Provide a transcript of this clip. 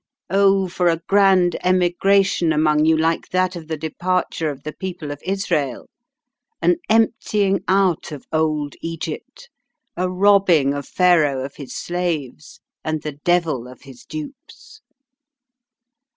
Oh for a grand emigration among you like that of the departure of the people of Israel an emptying out of old Egypt, a robbing of Pharaoh of his slaves, and the devil of his dupes!"